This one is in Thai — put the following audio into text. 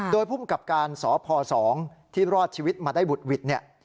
โดยผู้บังคับการสพสที่รอดชีวิตมาได้บุตรวิทย์